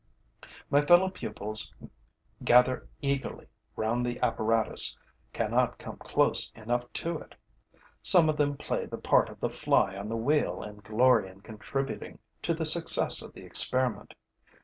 My fellow pupils gather eagerly round the apparatus, cannot come close enough to it. Some of them play the part of the fly on the wheel and glory in contributing to the success of the experiment.